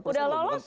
itu udah besar loh